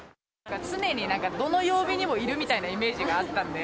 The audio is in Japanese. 常にどの曜日にもいるみたいなイメージがあったんで。